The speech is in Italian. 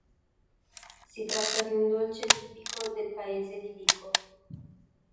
Si tratta di un dolce tipico del paese di Vico.